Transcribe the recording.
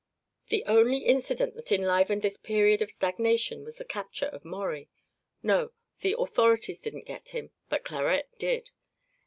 The only incident that enlivened this period of stagnation was the capture of Maurie. No; the authorities didn't get him, but Clarette did.